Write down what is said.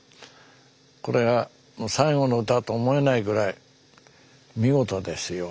これが最期の歌と思えないぐらい見事ですよ